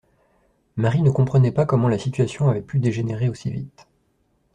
Marie ne comprenait pas comment la situation avait pu dégénérer aussi vite.